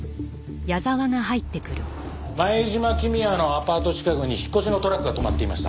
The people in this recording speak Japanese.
前島公也のアパート近くに引っ越しのトラックが止まっていました。